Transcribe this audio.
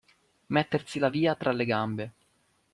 Mettersi la via tra le gambe.